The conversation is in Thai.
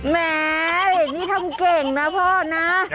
แม่นี่ทำเก่งนะพ่อนะ